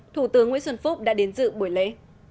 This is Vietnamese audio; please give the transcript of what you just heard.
thủ tướng nguyễn xuân phúc đã đến dự buổi lễ